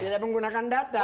tidak menggunakan data